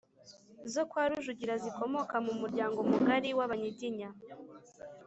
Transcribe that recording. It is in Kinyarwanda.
zo kwa Rujugira zikomoka mu muryango mugari w’Abanyiginya.